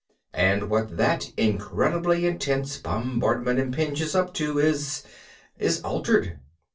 And what that incredibly intense bombardment impinges up is ... is altered.